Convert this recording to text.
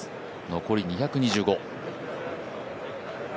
残り２２５。